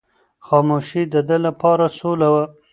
خاموشي د ده لپاره سوله وه.